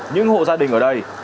những hộ gia đình ở đây